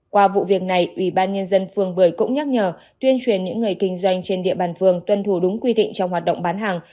qua vụ việc này ubnd phường bưởi cũng nhắc nhở tuyên truyền những người kinh doanh trên địa bàn phường tuân thủ đúng quy định trong hoạt động bán hàng